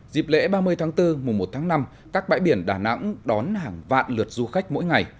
dịp lễ ba mươi tháng bốn mùa một tháng năm các bãi biển đà nẵng đón hàng vạn lượt du khách mỗi ngày